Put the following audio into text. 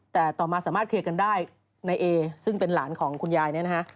แต่ต่อมาสามารถเคลียร์กันได้ในเอซึ่งเป็นหลานของคุณยายเนี่ยนะฮะ